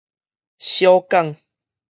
小港